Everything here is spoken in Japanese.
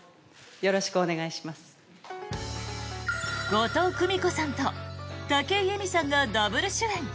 後藤久美子さんと武井咲さんがダブル主演。